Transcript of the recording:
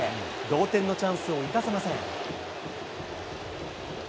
同点のチャンスを生かせません。